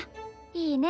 いいね！